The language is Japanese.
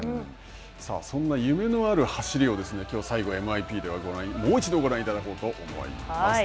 さあそんな夢のある走りをきょう、最後ＭＩＰではもう一度ご覧いただこうと思います。